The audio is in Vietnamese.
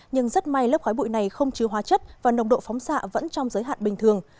nhưng rất may lớp khói bụi này không chứa hóa chất và nồng độ phóng xạ vẫn trong giới hạn bình thường